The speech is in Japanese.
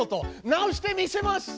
直してみせます！